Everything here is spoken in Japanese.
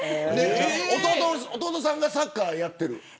弟さんが、サッカーやってる。